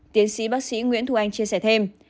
tiến sĩ bác sĩ nguyễn thu anh chia sẻ thêm